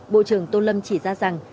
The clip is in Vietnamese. bộ trưởng tô lâm chỉ ra rằng